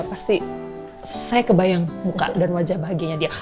pasti saya kebayang muka dan wajah bahagianya dia